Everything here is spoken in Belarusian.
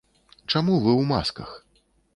Чаму вы ў масках?